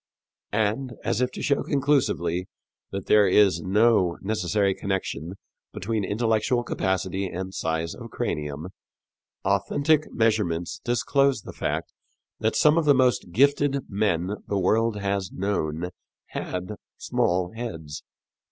And, as if to show conclusively that there is no necessary connection between intellectual capacity and size of cranium, authentic measurements disclose the fact that some of the most gifted men the world has known had small heads.